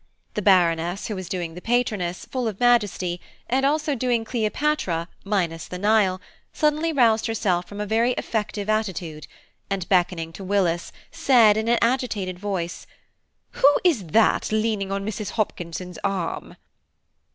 The Baroness who was doing the patroness, full of majesty, and also doing Cleopatra, minus the Nile, suddenly roused herself from a very effective attitude, and, beckoning to Willis, said, in an agitated voice, "Who is that leaning on Mrs. Hopkinson's arm?"